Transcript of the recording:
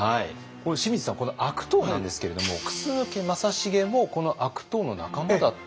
清水さん悪党なんですけれども楠木正成もこの悪党の仲間だった？